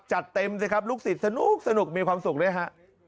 จัดเต็มสิครับลูกศิษย์สนุกมีความสุขด้วยฮะ